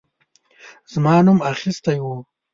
زما نوم اخیستی وو.